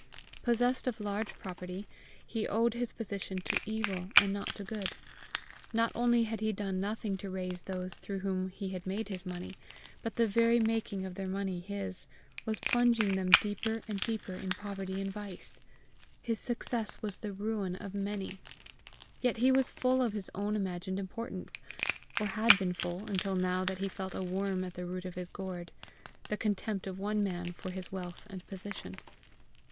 Possessed of large property, he owed his position to evil and not to good. Not only had he done nothing to raise those through whom he made his money, but the very making of their money his, was plunging them deeper and deeper in poverty and vice: his success was the ruin of many. Yet was he full of his own imagined importance or had been full until now that he felt a worm at the root of his gourd the contempt of one man for his wealth and position.